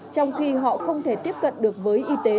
trong khi họ không thể tiếp cận được với y tế